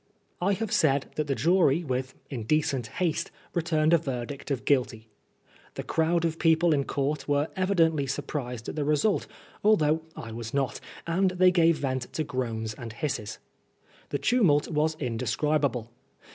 I have said that the jury, with indecent haste, returned a verdict of Guilty. The crowd of people in Court were evidently surprised at the result, although I was not, and they gave vent to groans and hisses. The tumult was indescribable.